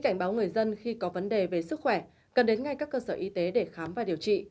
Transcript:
nếu có vấn đề về sức khỏe cần đến ngay các cơ sở y tế để khám và điều trị